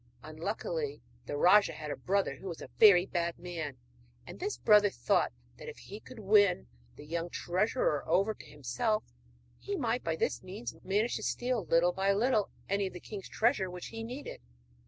Unluckily the rajah had a brother who was a very bad man; and this brother thought that if he could win the young treasurer over to himself he might by this means manage to steal little by little any of the king's treasure which he needed.